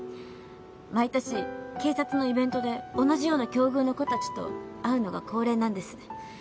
毎年警察のイベントで同じような境遇の子たちと会うのが恒例なんです。